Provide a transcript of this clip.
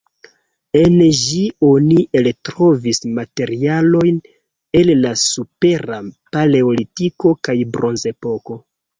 En ĝi oni eltrovis materialojn el la Supera paleolitiko kaj Bronzepoko.